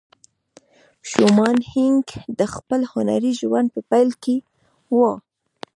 شومان هینک د خپل هنري ژوند په پیل کې وه